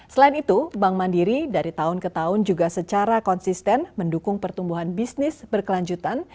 selain itu bank mandiri dari tahun ke tahun juga secara konsisten mendukung pertumbuhan bisnis berkelanjutan